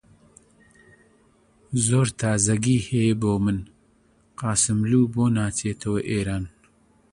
زۆر تازەگی هەیە بۆ من! قاسملوو بۆ ناچێتەوە ئێران؟